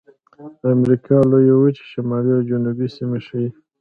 د امریکا لویې وچې شمالي او جنوبي سیمې ښيي.